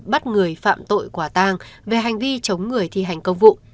bắt người phạm tội quả tang về hành vi chống người thi hành công vụ